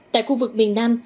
tại khu vực miền nam